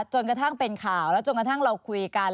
จนกระทั่งเป็นข่าวแล้วจนกระทั่งเราคุยกัน